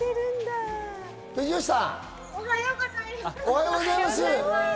おはようございます。